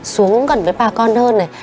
xuống gần với bà con hơn này